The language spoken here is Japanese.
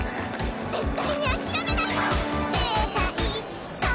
絶対に諦めないもん！